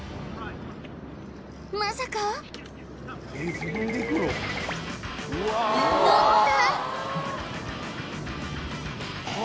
まさか乗った！